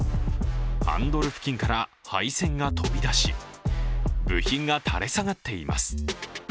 ハンドル付近から配線が飛び出し、部品が垂れ下がっています。